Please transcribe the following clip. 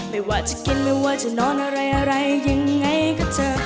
ไม่ว่าจะกินไม่ว่าจะนอนอะไรยังไงกับเธอ